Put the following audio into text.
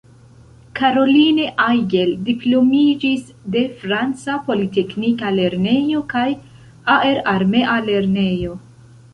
Caroline Aigle diplomiĝis de "Franca Politeknika Lernejo" kaj "Aerarmea Lernejo".